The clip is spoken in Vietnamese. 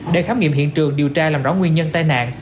để khám nghiệm hiện trường điều tra làm rõ nguyên nhân tai nạn